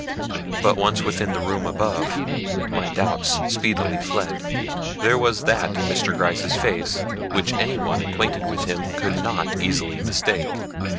But once within the room above, my doubts speedily fled. There was that in Mr. Gryce's face which anyone acquainted with him could not easily mistake.